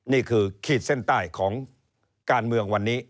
ขีดเส้นใต้ของการเมืองวันนี้